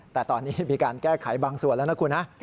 แต่ตอนนี้มีการแก้ไขบางส่วนแล้วนะคุณฮะ